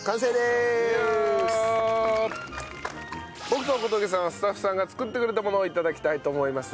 僕と小峠さんはスタッフさんが作ってくれたものを頂きたいと思います。